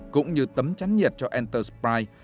cũng như tấm chắn nhiệt cho entersprite